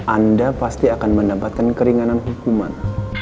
anda pasti akan mendapatkan keringanan hukuman